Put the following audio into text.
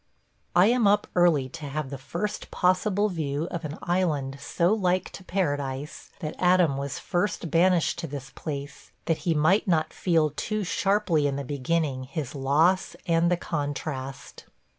... I am up early to have the first possible view of an island so like to Paradise that Adam was first banished to this place that he might not feel too sharply in the beginning his loss and the contrast.